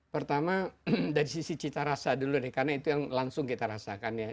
pertama dari sisi cita rasa dulu deh karena itu yang langsung kita rasakan ya